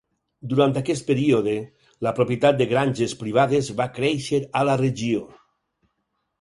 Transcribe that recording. Durant aquest període, la propietat de granges privades va créixer a la regió.